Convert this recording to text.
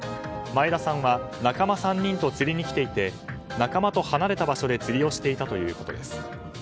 前田さんは仲間３人と釣りに来ていて仲間と離れた場所で釣りをしていたということです。